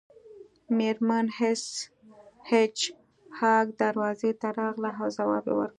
میرمن هیج هاګ دروازې ته راغله او ځواب یې ورکړ